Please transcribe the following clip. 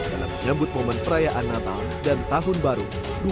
dalam menyambut momen perayaan natal dan tahun baru dua ribu dua puluh